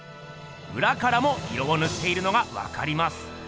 うらからも色をぬっているのがわかります。